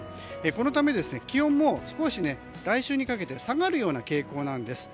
このため気温も少し来週にかけて下がるような傾向なんです。